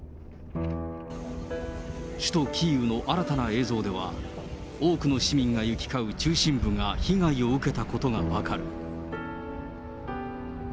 首都キーウの新たな映像では、多くの市民が行き交う中心部が被害を受けたことが分かる。